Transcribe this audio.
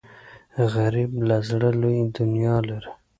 غریب له زړه لوی دنیا لري